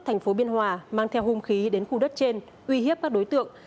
thành phố biên hòa mang theo hung khí đến khu đất trên uy hiếp các đối tượng